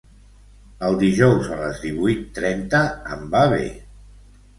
El dijous a les divuit trenta em va bé.